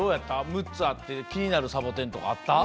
むっつあってきになるサボテンとかあった？